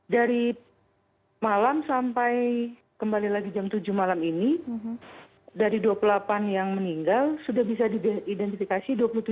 dari malam sampai kembali lagi jam tujuh malam ini dari dua puluh delapan yang meninggal sudah bisa diidentifikasi dua puluh tujuh